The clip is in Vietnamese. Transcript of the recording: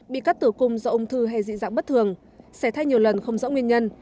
bị cắt tử cung do ung thư hay dị dạng bất thường xẻ thai nhiều lần không rõ nguyên nhân